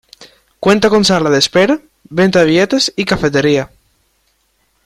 Cuenta con sala de espera, venta de billetes y cafetería.